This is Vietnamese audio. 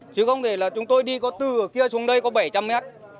chứ không thể là chúng tôi đi có từ ở kia xuống đây có bảy trăm linh mét